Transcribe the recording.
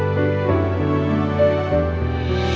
dia juga sip